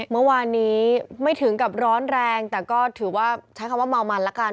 เมื่อวานนี้ไม่ถึงกับร้อนแรงแต่ก็ถือว่าใช้คำว่าเมามันละกัน